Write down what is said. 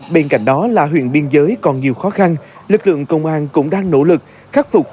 bên cạnh đó là huyện biên giới còn nhiều khó khăn lực lượng công an cũng đang nỗ lực khắc phục